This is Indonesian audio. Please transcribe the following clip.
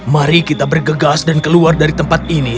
mari kita bergegas dan keluar dari tempat ini